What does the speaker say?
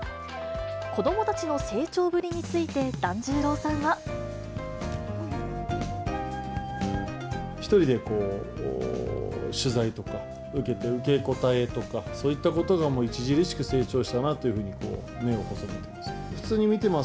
子どもたちの成長ぶりについて、１人でこう、取材とか受けて、受け答えとか、そういったことがもう、著しく成長したなというふうに、目を細めています。